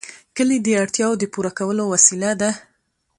کلي د اړتیاوو د پوره کولو وسیله ده.